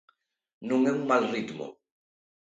Non é un mal ritmo.